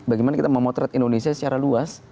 bagaimana kita memotret indonesia secara luas